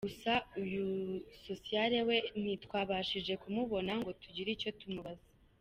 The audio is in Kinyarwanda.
Gusa uyu Social we ntitwabashije kumubona ngo tugire icyo tumubaza.